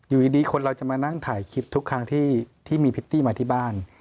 อยู่ดีคนเราจะมานั่งถ่ายคลิปทุกครั้งที่มีพิตตี้มาที่บ้าน